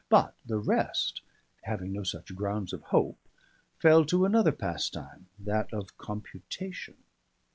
But the rest, having no such grounds of hope, fell to another pastime, that of computation.